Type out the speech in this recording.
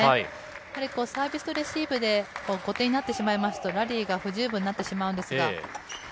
やはりサービスとレシーブで後手になってしまいますと、ラリーが不十分になってしまうんですが。